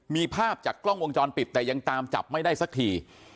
มีภาพจากกล้องวงจรปิดแต่ยังตามจับไม่ได้สักที